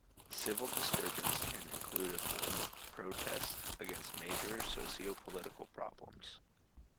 Civil disturbance can include a form of protest against major socio-political problems.